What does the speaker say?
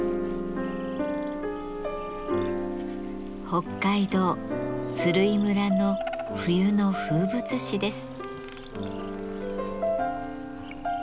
北海道鶴居村の冬の風物詩です。